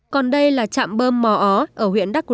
còn đây là trạm bơm mò ó ở huyện đắk rô